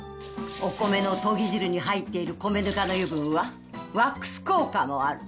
お米のとぎ汁に入っている米ぬかの油分はワックス効果もある。